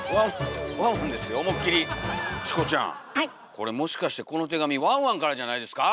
これもしかしてこの手紙ワンワンからじゃないですか